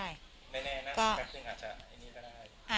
ถ้าไม่แน่อันนั้นอาจจะอันนี้ก็ได้